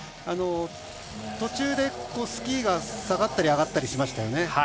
途中でスキーが下がったり上がったりしましたよね。